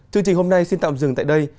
chương trình hôm nay xin tạm dừng tại đây